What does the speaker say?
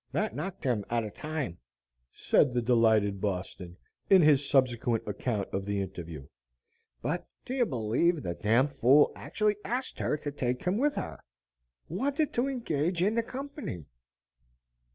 "That knocked him out o' time," said the delighted "Boston," in his subsequent account of the interview. "But do you believe the d d fool actually asked her to take him with her; wanted to engage in the company."